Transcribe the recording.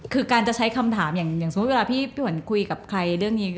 คือการจะใช้คำถามอย่างสมมุติเวลาพี่หวันคุยกับใครเรื่องนี้